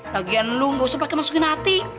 lagian lo gak usah pake masukin hati